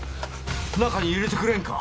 中に入れてくれんか？